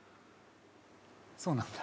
そうなんだ。